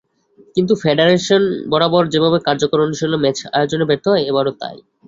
কিন্তু ফেডারেশন বরাবর যেভাবে কার্যকর অনুশীলন ম্যাচ আয়োজনে ব্যর্থ হয়, এবারও তাই।